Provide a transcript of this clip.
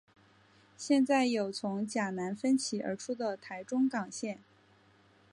现在有从甲南分歧而出的台中港线。